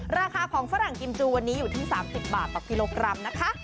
ราคาของฝรั่งกิมจูวันนี้อยู่ที่๓๐บาทต่อกิโลกรัมนะคะ